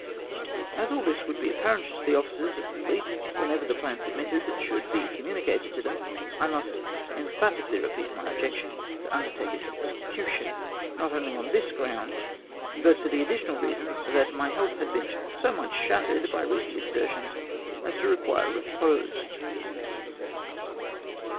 As all this would be apparent to the officers of the fleet whenever the plan submitted should be communicated to them, I must emphatically repeat my objection to undertake its execution, not only on this ground, but for the additional reason that my health had been so much shattered by recent exertions as to require repose.